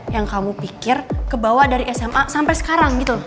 yang kamu pikir kebawa dari sma sampai sekarang gitu loh